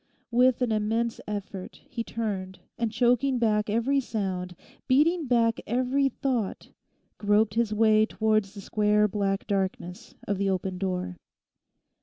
With an immense effort he turned, and choking back every sound, beating back every thought, groped his way towards the square black darkness of the open door.